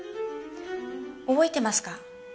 覚えてますか？